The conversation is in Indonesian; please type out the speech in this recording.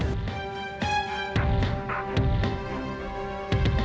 saya tidak akan menerima kebenaran